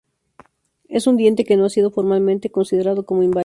Es un diente que no ha sido formalmente considerado como inválido.